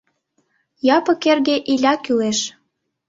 Япык эрге Иля кӱлеш.